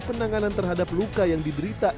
penanganan terhadap luka yang diderita